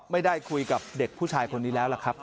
ไม่ได้คุยกับเด็กผู้ชายคนนี้แล้วล่ะครับ